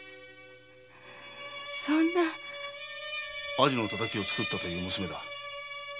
アジのタタキをつくったという娘だ。